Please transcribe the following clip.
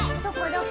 どこ？